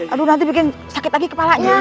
aduh nanti bikin sakit lagi kepalanya